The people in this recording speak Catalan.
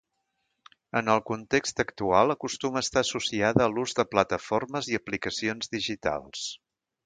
En el context actual acostuma a estar associada a l'ús de plataformes i aplicacions digitals.